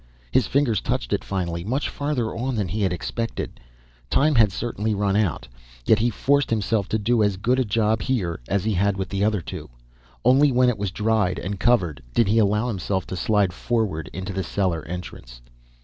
His fingers touched it finally, much farther on than he had expected. Time had certainly run out. Yet he forced himself to do as good a job here as he had with the other two. Only when it was dried and covered did he allow himself to slide forward into the cellar entrance.